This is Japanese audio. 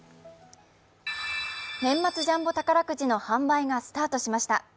年末ジャンボ宝くじの販売がスタートしました。